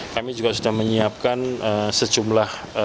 kami juga sudah menyiapkan sejumlah